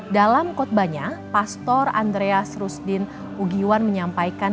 dalam kotbahnya pastor andreas rusdin ugiwan menyampaikan